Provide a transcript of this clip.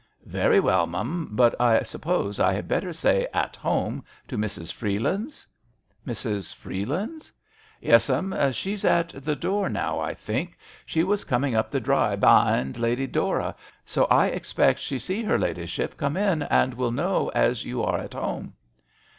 "Very well, m'm. But I suppose I had better say *At home ' to Mrs. Freelands ?"Mrs. Freelands !" "Yes, m'm. She's at the door now, I think. She was coming up the drive be'ind Lady Dora, so I expect she see hei ladyship come in, and will know as you are at home."